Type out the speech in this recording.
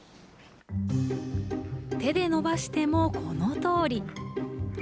手で延ばしてもこのとおり。